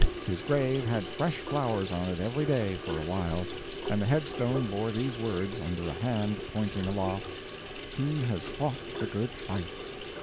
His grave had fresh flowers on it every day, for a while, and the head stone bore these words, under a hand pointing aloft: "He has fought the good fight."